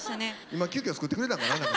今急きょ作ってくれたんかな。